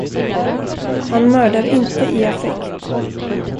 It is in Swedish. Han mördar inte i affekt.